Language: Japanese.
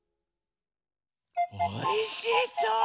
おいしそう！